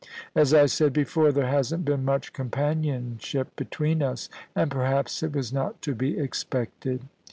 As I said before, there hasn't been much companionship between us, and perhaps it was not to be expected.